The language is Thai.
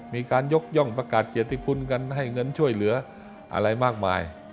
มีการยกย่องประกาศเกียรติคุณกันให้เงินช่วยเหลืออะไรมากมาย